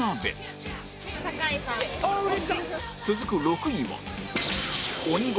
続く６位は